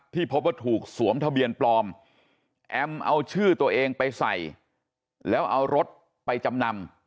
พบว่าถูกสวมทะเบียนปลอมแอมเอาชื่อตัวเองไปใส่แล้วเอารถไปจำนำ